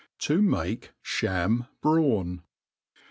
To make Sham Brawn.